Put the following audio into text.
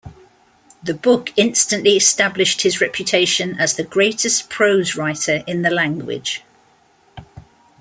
The book instantly established his reputation as the greatest prose writer in the language.